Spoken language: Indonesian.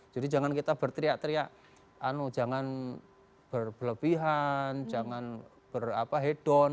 jadi jangan kita berteriak teriak jangan berbelebihan jangan berhidon